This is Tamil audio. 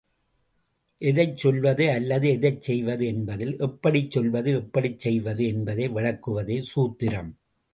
எதைச் சொல்வது அல்லது எதைச் செய்வது என்பதில் எப்படிச் சொல்வது, எப்படிச் செய்வது என்பதை விளக்குவதே சூத்திரம்.